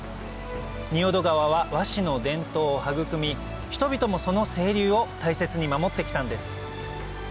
仁淀川は和紙の伝統を育み人々もその清流を大切に守ってきたんです